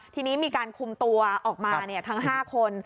ทีนี้มีการคุมตัวออกมาทั้ง๕คน